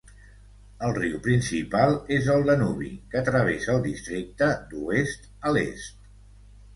El riu principal és el Danubi, que travessa el districte d'oest a l'est.